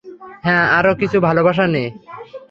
হ্যাঁঁ, আরও কিছু ভালবাসা নে।